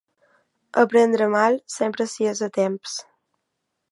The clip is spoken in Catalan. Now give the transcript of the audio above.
A prendre mal sempre s'hi és a temps.